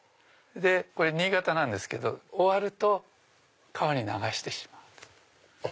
これ新潟なんですけど終わると川に流してしまう。